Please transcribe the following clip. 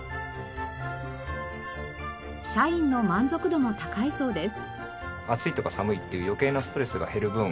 社員の満足度も高いそうです。